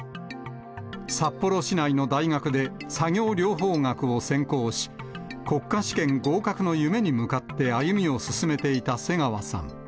札幌市内の大学で作業療法学を専攻し、国家試験合格の夢に向かって歩みを進めていた瀬川さん。